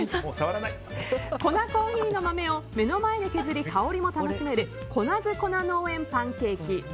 コナコーヒーの豆を目の前で削り香りも楽しめるコナズＫＯＮＡ農園パンケーキ。